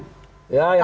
kalau nanti kemudian